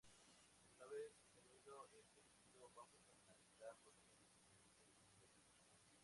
Una vez obtenido el tejido vamos a analizar los genes que este expresa.